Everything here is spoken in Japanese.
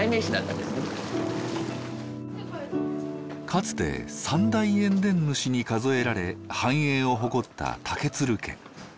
かつて三大塩田主に数えられ繁栄を誇った竹鶴家。